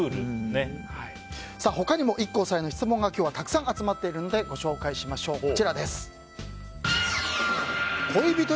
他にもＩＫＫＯさんへの質問が今日はたくさん集まっているのでご紹介しましょう。